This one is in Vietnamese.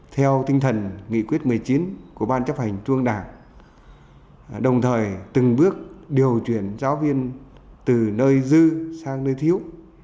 theo tinh thần nghị quyết một mươi chín của ban chấp hành trung đảng đồng thời từng bước điều chuyển giáo viên từ nơi dư sang nơi thiếu